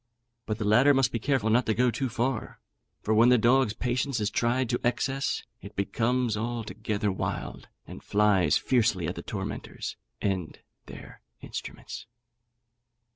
But the latter must be careful not to go too far; for when the dog's patience is tried to excess, it becomes altogether wild, and flies fiercely at the tormentors and their instruments.